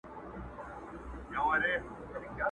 چي كتل يې زما تېره تېره غاښونه!!